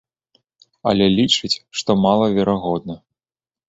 Але лічыць, што малаверагодна.